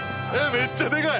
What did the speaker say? めっちゃデカい。